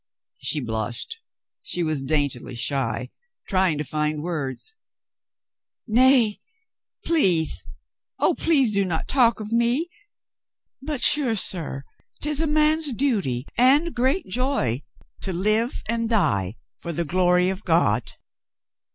She blushed ; she was daintily shy, trying to find words. "Nay, please, oh, please, do not talk of me. But sure, sir, 'tis a man's duty and great joy to live and die for the glory of God."